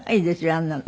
あんなの。